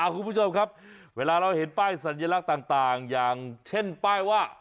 คุณผู้ชมครับเวลาเราเห็นป้ายสัญลักษณ์ต่างอย่างเช่นป้ายว่า